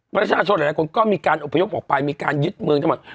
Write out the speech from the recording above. ประชาชนหลายคนก็มีการอบพยพออกไปมีการยึดเมืองทั้งหมด